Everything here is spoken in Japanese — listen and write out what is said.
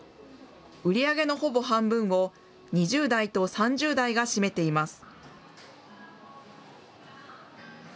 売り上げのほぼ半分を、２０代と３０代が占めています。